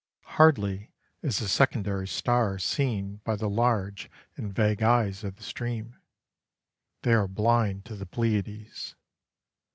Hardly is a secondary star seen by the large and vague eyes of the stream. They are blind to the Pleiades.